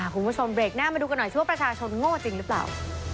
คุณผู้ชมเบรกหน้ามาดูกันหน่อยสิว่าประชาชนโง่จริงหรือเปล่า